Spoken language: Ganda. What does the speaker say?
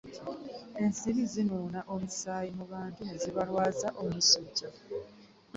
Ensiri zinuuna omusaayi mu bantu nezibalwaza omusujja.